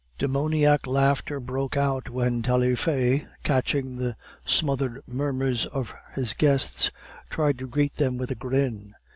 Demoniac laughter broke out when Taillefer, catching the smothered murmurs of his guests, tried to greet them with a grin.